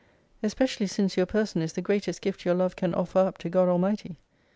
Especially since your person is the greatest gift your love can offer up to God Almighty.